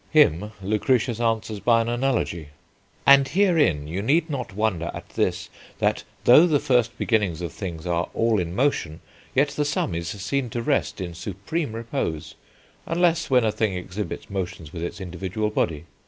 Him Lucretius answers by an analogy. "And herein you need not wonder at this, that though the first beginnings of things are all in motion, yet the sum is seen to rest in supreme repose, unless when a thing exhibits motions with its individual body.